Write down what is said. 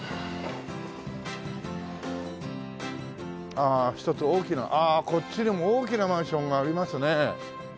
ああ１つ大きなこっちにも大きなマンションがありますね。